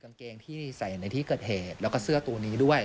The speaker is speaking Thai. กางเกงที่ใส่ในที่เกิดเหตุแล้วก็เสื้อตัวนี้ด้วย